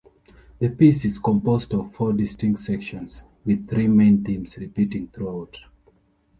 The piece is composed of four distinct sections, with three main themes repeating throughout.